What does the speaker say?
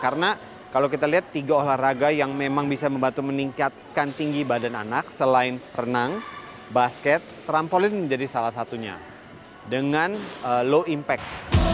karena kalau kita lihat tiga olahraga yang memang bisa membantu meningkatkan tinggi badan anak selain renang basket trampolin menjadi salah satunya dengan low impact